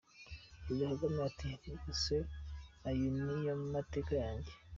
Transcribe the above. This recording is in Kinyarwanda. Perezida Kagame ati :"Rwose ayo ni yo mateka yanjye.